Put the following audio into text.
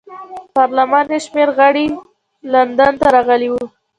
پارلمان یو شمېر غړي لندن ته راغلي وو.